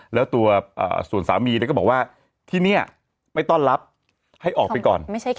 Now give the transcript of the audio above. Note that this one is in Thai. แล้วตัวส่วนสามีก็บอกว่าที่นี่ไม่ต้อนรับให้ออกไปก่อน